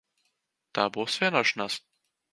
Tā būs vienošanās?